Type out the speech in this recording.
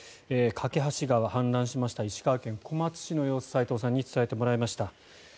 梯川氾濫しました石川県小松市の様子を齋藤さんに伝えてもらいました。